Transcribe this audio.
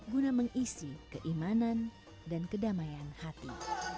guna mengisi keimanan dan kedamaian hati